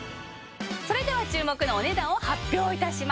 それでは注目のお値段を発表致します。